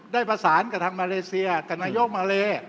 ได้ประสานกับทางมาเลเซียกับนายกมาเล